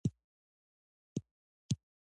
زه درې شپېته ورځې وروسته خپل امتحان لرم.